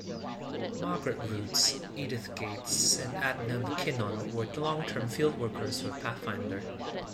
Margaret Roots, Edith Gates, and Edna McKinnon were long-term fieldworkers for Pathfinder.